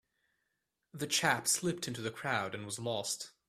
The chap slipped into the crowd and was lost.